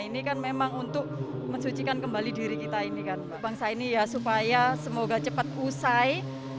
ini kan memang untuk mensucikan kembali diri kita ini kan bangsa ini ya supaya semoga cepat usai